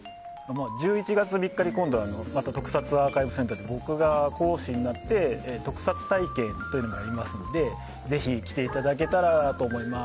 １１月３日に特撮アーカイブセンターで僕が講師になって特撮体験をやりますのでぜひ来ていただけたらと思います。